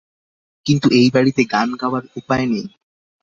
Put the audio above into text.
কিন্তু এই বাড়িতে গান গাওয়ার উপায় নেই।